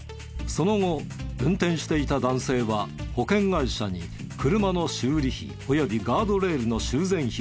その後運転していた男性は保険会社に車の修理費及びガードレールの修繕費を請求。